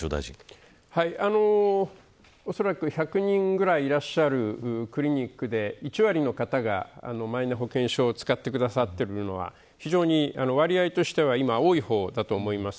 おそらく１００人ぐらいいらっしゃるクリニックで１割の方がマイナ保険証を使ってくださっているのは非常に割合としては多い方だと思います。